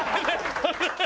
ハハハハ！